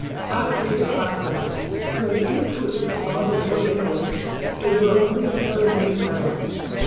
"'Ach! Mizder Fosper, you are zo coot to all de boor beebles, dough you are only a boor man yourzelf.